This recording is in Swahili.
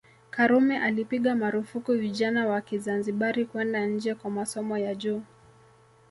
Karume alipiga marufuku vijana wa Kizanzibari kwenda nje kwa masomo ya juu